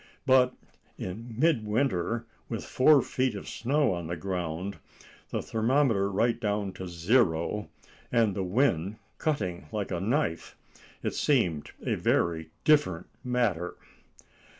But in mid winter, with four feet of snow on the ground, the thermometer right down to zero, and the wind cutting like a knife, it seemed a very different matter.